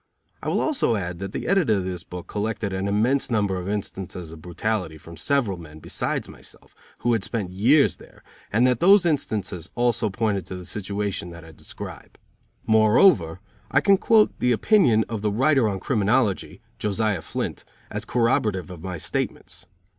I will also add that the editor of this book collected an immense number of instances of brutality from several men, besides myself, who had spent years there, and that those instances also pointed to the situation that I describe. Moreover, I can quote the opinion of the writer on criminology Josiah Flynt as corroborative of my statements.